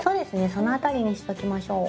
その辺りにしときましょう。